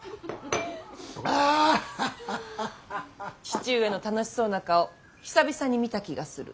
父上の楽しそうな顔久々に見た気がする。